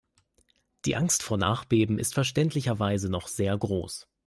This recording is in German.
Die Angst vor Nachbeben ist verständlicherweise noch sehr groß.